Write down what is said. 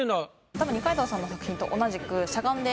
たぶん二階堂さんの作品と同じく。